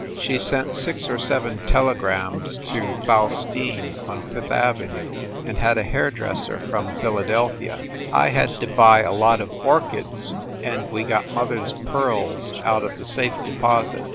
She sent six or seven telegrams to Faustine, on Fifth Avenue, and had a hair dresser from Philadelphia. I had to buy a lot of orchids, and we got mother s pearls out of the safe deposit.